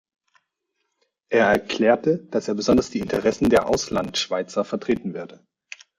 Er erklärte, dass er besonders die Interessen der Auslandschweizer vertreten werde.